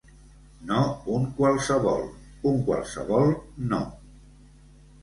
No un qualsevol, un qualsevol no.